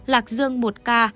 lạc dương một ca